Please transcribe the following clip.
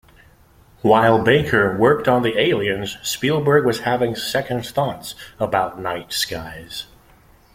While Baker worked on the aliens, Spielberg was having second thoughts about "Night Skies".